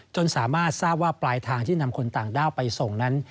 จนสามารถทราบว่าปลายทางที่นำคนต่างด้าวไปส่งนั้น